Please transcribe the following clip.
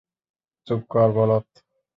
চুপ কর, বলদ!